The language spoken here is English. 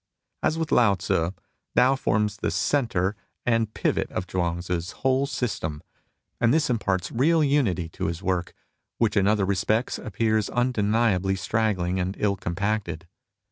As with Lao Tzu, Tao forms the centre and THE MEANING OF TAO 16 pivot of Chuang Tzu's whole system ; and this imparts real unity to his work, which in other respects appears undeniably straggling and ill compacted.